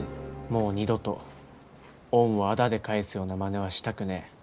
もう二度と恩をあだで返すようなまねはしたくねえ。